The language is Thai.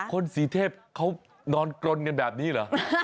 คนสีเทพเขานอนกรนกันแบบนี้เหรอ